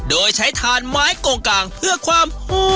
โดยใช้ทานไม้โกงกลางเพื่อความ